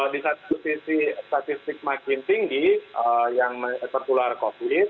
di satu sisi statistik makin tinggi yang tertular covid